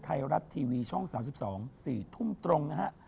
ไทยรัฐทีวีช่อง๓๒๔ทุ่มตรงนะฮะ